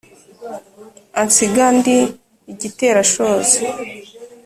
ansiga ndi igiterashozi.